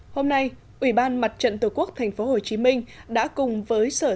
hôm nay ủy ban mặt trận tổ quốc tp hcm đã cùng với sở